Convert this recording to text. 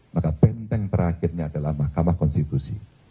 maka benteng terakhirnya adalah mahkamah konstitusi